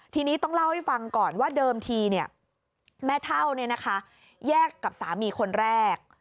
ทีนี้ต้องเล่าให้ฟังก่อนว่าเดิมทีแม่เท่าแยกกับสามีคนแรก